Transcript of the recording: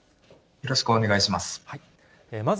よろしくお願いします。